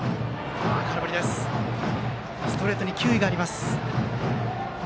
ストレートに球威があります。